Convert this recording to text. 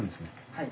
はい。